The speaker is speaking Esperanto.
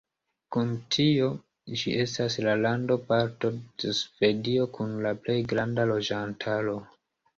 Kun tio, ĝi estas la landoparto de Svedio kun la plej granda loĝantaro.